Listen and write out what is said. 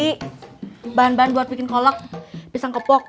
ini bahan bahan buat bikin kolok